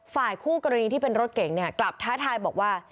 ฝ่ายคู่กรณีที่เป็นรถเก่งเนี่ยกลับท้าทายบอกว่า